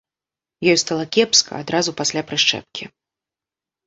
Ёй стала кепска адразу пасля прышчэпкі.